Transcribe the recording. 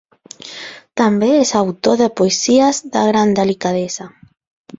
També és autor de poesies de gran delicadesa.